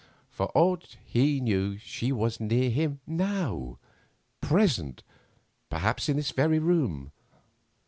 For aught he knew she was near him now—present, perhaps, in this very room.